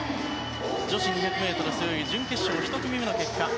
女子２００ｍ背泳ぎ準決勝１組目の結果です。